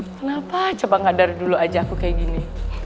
kenapa coba ngadar dulu aja aku kayak gini